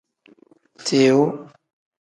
Tiu.